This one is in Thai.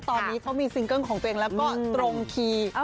ตอนนี้เขามีซิงเกิ้ลของตัวเองแล้วก็ตรงคีย์